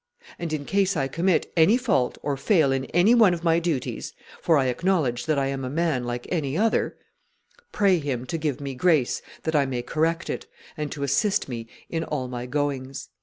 And in case I commit any fault or fail in any one of my duties, for I acknowledge that I am a man like any other, pray Him to give me grace that I may correct it, and to assist me in all my goings."